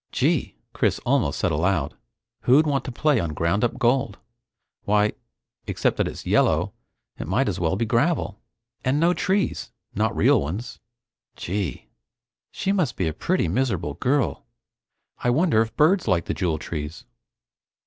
Gee! Chris almost said aloud, Who'd want to play on ground up gold? Why, except that it's yellow it might as well be gravel. And no trees not real ones. Gee! She must be a pretty miserable girl! I wonder if birds like the jewel trees?